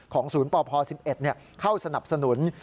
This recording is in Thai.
ศูนย์ปพ๑๑เข้าสนับสนุน